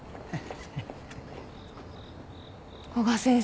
古賀先生